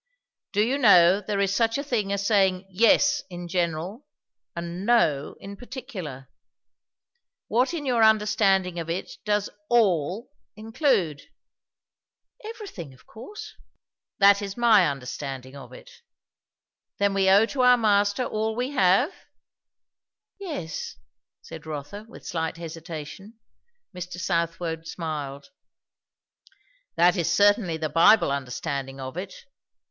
"Do you know there is such a thing as saying 'yes' in general, and 'no' in particular? What in your understanding of it, does 'all' include?" "Everything, of course." "That is my understanding of it. Then we owe to our Master all we have?" "Yes " said Rotha with slight hesitation. Mr. Southwode smiled. "That is certainly the Bible understanding of it.